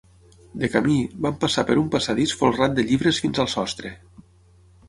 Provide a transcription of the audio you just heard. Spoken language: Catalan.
De camí, van passar per un passadís folrat de llibres fins al sostre.